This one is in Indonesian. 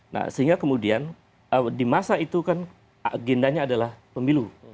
nah sehingga kemudian di masa itu kan agendanya adalah pemilu